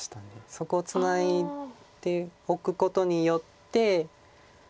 そこツナいでおくことによって。